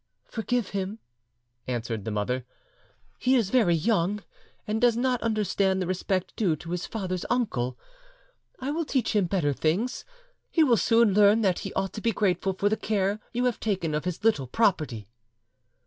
"Forgive him," answered the mother; "he is very young, and does not understand the respect due to his father's uncle. I will teach him better things; he will soon learn that he ought to be grateful for the care you have taken of his little property."